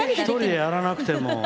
一人でやらなくても。